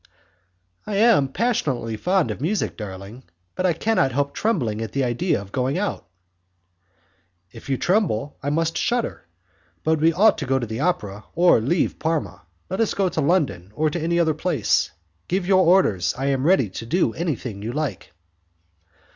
"I am passionately fond of music, darling, but I cannot help trembling at the idea of going out." "If you tremble, I must shudder, but we ought to go to the opera or leave Parma. Let us go to London or to any other place. Give your orders, I am ready to do anything you like."